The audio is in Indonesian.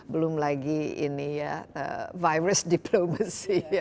belum lagi virus diplomacy